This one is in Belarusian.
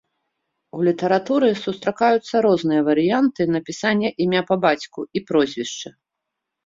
У літаратуры сустракаюцца розныя варыянты напісання імя па бацьку і прозвішча.